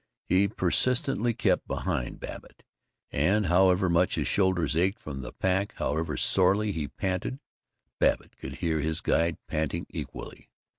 He persistently kept behind Babbitt, and however much his shoulders ached from the pack, however sorely he panted, Babbitt could hear his guide panting equally.